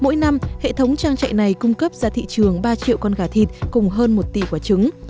mỗi năm hệ thống trang trại này cung cấp ra thị trường ba triệu con gà thịt cùng hơn một tỷ quả trứng